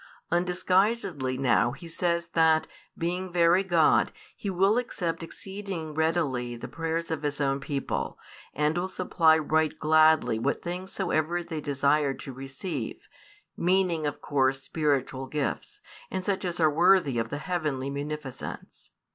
Undisguisedly now He says that, being Very God, He will accept exceeding readily the prayers of His own people, and will supply right gladly what things soever they desire to receive, meaning of course spiritual gifts and such as are worthy of the heavenly munificence.